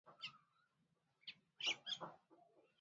غول د ناروغۍ لاره ښيي.